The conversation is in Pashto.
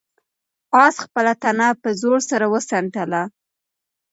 آس خپله تنه په زور سره وڅنډله.